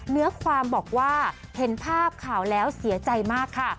เนื้อความบอกว่าเห็นภาพข่าวแล้วเสียใจมากค่ะ